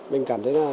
mình cảm thấy là